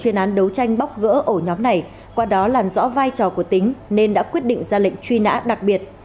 chuyên án đấu tranh bóc gỡ ổ nhóm này qua đó làm rõ vai trò của tính nên đã quyết định ra lệnh truy nã đặc biệt